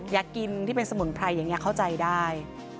อยากกินที่เป็นสมุนไพรอย่างนี้เข้าใจได้